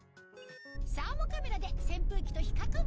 サーモカメラで扇風機と比較